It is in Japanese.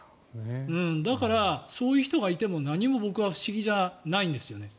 だから、そういう人がいても何も僕は不思議じゃないんですよね。